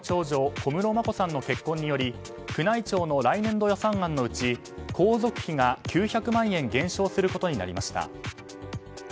小室眞子さんの結婚により宮内庁の来年度予算案のうち皇族費が９００万円減少することになりました。